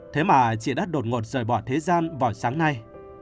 thế mà chị đã đột ngột rời bỏ thế gian vào sáng nay